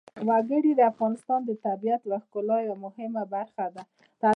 وګړي د افغانستان د طبیعت د ښکلا یوه مهمه برخه ده.